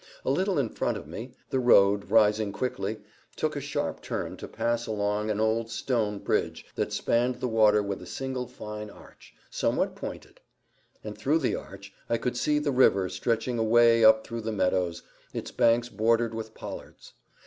A little in front of me, the road, rising quickly, took a sharp turn to pass along an old stone bridge that spanned the water with a single fine arch, somewhat pointed; and through the arch I could see the river stretching away up through the meadows, its banks bordered with pollards.